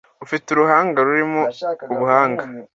Ufite uruhanga rurimo ubuhanga